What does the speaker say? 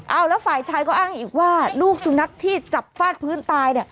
เอาแล้วฝ่ายชายก็อ้างอีกว่าลูกสุนัขที่จับฟาดพื้นตาย